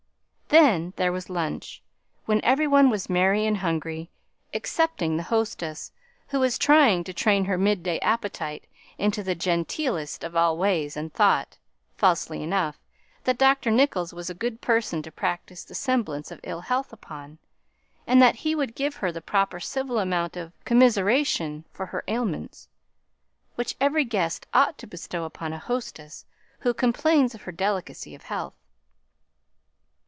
Then there was lunch, when every one was merry and hungry, excepting the hostess, who was trying to train her midday appetite into the genteelest of all ways, and thought (falsely enough) that Dr. Nicholls was a good person to practise the semblance of ill health upon, and that he would give her the proper civil amount of commiseration for her ailments, which every guest ought to bestow upon a hostess who complains of her delicacy of health.